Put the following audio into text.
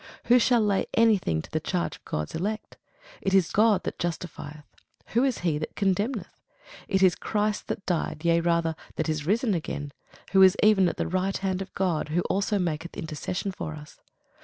Who shall lay any thing to the charge of God's elect? It is God that justifieth. Who is he that condemneth? It is Christ that died, yea rather, that is risen again, who is even at the right hand of God, who also maketh intercession for us.